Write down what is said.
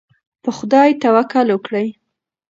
په خدای توکل وکړئ.